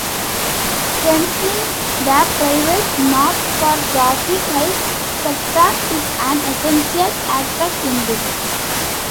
Strengthening the private not-for-profit health sector is an essential aspect in this.